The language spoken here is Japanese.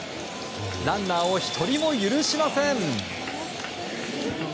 ランナーを１人も許しません。